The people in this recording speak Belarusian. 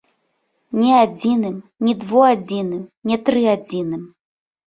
Ні адзіным, ні двуадзіным, ні трыадзіным!